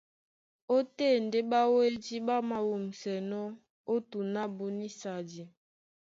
Ótên ndé ɓáwédí ɓá māwûmsɛnɔ́ ó tǔn ábú nísadi.